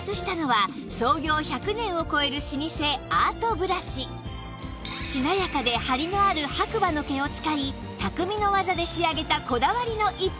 開発したのはしなやかでハリのある白馬の毛を使い匠の技で仕上げたこだわりの逸品